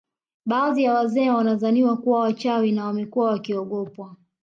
Baadhi ya wazee wanadhaniwa kuwa wachawi na wamekuwa wakiogopwa